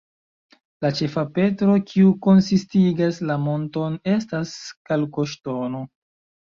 La ĉefa petro, kiu konsistigas la monton, estas kalkoŝtono.